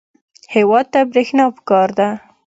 هېواد ته برېښنا پکار ده